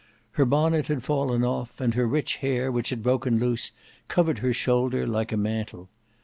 Her bonnet had fallen off, and her rich hair, which had broken loose, covered her shoulder like a mantle.